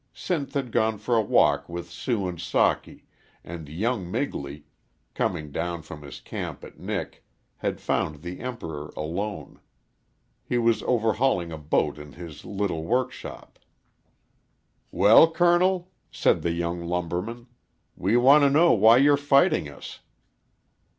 Sinth had gone for a walk with Sue and Socky, and young Migley, coming down from his camp at Nick, had found the Emperor alone. He was overhauling a boat in his little workshop. . "Well, Colonel," said the young lumberman, "we want to know why you're fighting us."